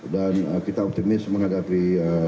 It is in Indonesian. dan kita optimis menghadapi